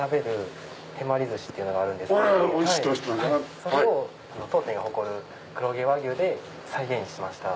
それを当店が誇る黒毛和牛で再現しました。